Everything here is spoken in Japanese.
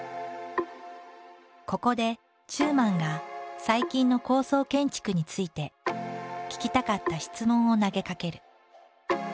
ここで中馬が最近の高層建築について聞きたかった質問を投げかける。